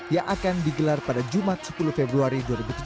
yang akan digelar pada jumat sepuluh februari dua ribu tujuh belas